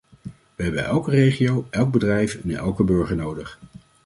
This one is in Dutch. We hebben elke regio, elk bedrijf en elke burger nodig.